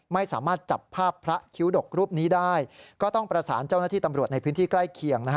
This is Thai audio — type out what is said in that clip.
ไม่สามารถจับภาพพระคิ้วดกรูปนี้ได้ก็ต้องประสานเจ้าหน้าที่ตำรวจในพื้นที่ใกล้เคียงนะฮะ